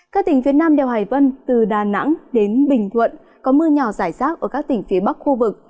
các tỉnh phía nam đèo hải vân từ đà nẵng đến bình thuận có mưa nhỏ rải rác ở các tỉnh phía bắc khu vực